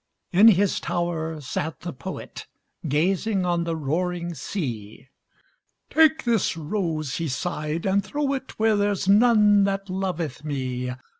In his tower sat the poet Gazing on the roaring sea, "Take this rose," he sighed, "and throw it Where there's none that loveth me.